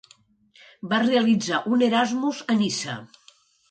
Va realitzar un Erasmus a Niça.